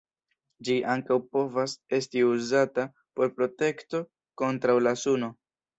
Ĝi ankaŭ povas esti uzata por protekto kontraŭ la suno.